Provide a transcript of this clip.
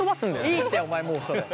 いいってお前もうそれ。